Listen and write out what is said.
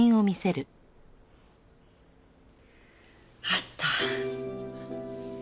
あった。